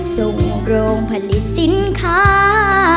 ส่งโรงผลิตสินค้า